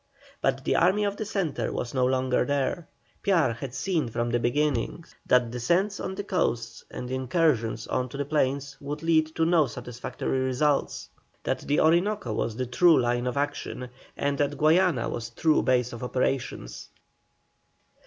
But the Army of the Centre was no longer there. Piar had seen from the beginning that descents on the coasts and incursions on to the plains would lead to no satisfactory result, that the Orinoco was the true line of action, and that Guayana was the true base of operations.